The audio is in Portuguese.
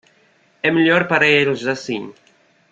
É melhor para eles assim.